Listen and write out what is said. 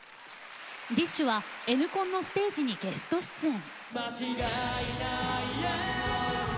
ＤＩＳＨ／／はＮコンのステージにゲスト出演。